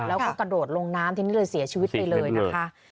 แล้วก็กระโดดลงน้ำทีนี้เลยเสียชีวิตไปเลยนะคะ